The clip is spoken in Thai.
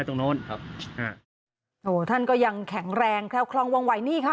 โอ้โฮท่านก็ยังแข็งแรงแคล้วคลองวงไหว้นี่ค่ะ